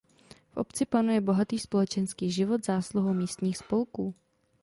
V obci panuje bohatý společenský život zásluhou místních spolků.